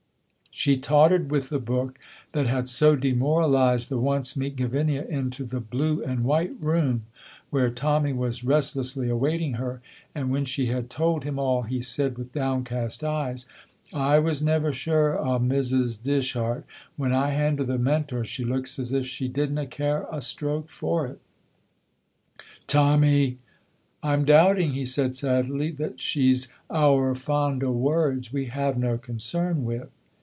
_ She tottered with the book that had so demoralized the once meek Gavinia into the blue and white room, where Tommy was restlessly awaiting her, and when she had told him all, he said, with downcast eyes: "I was never sure o' Mrs. Dishart. When I hand her the Mentor she looks as if she didna care a stroke for't " "Tommy!" "I'm doubting," he said sadly, "that she's ower fond o' Words We have no Concern with."